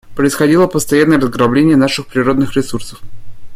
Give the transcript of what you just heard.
Происходило постоянное разграбление наших природных ресурсов.